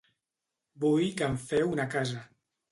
Vull que em feu una casa.